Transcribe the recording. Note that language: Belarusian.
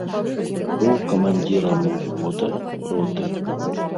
Быў камандзірам узвода, роты.